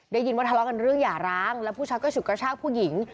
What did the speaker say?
ได้ยินว่าทะเลาะกันเรื่องหย่าร้างแล้วผู้ชายก็ฉุดกระชากผู้หญิง